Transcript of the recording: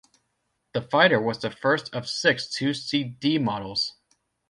The fighter was the first of six two-seat D-models.